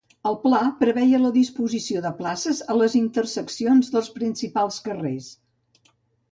El pla preveia la disposició de places a les interseccions dels principals carrers.